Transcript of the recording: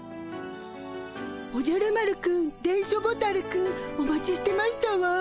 おじゃる丸くん電書ボタルくんお待ちしてましたわ。